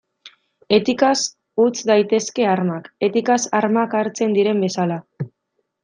Etikaz utz daitezke armak, etikaz armak hartzen diren bezala.